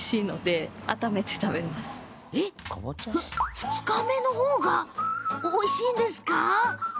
２日目の、方がおいしいんですか？